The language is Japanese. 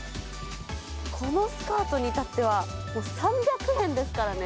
このスカートに至っては、もう３００円ですからね。